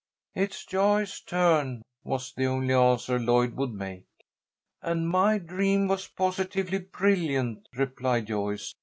"It's Joyce's turn," was the only answer Lloyd would make. "And my dream was positively brilliant," replied Joyce.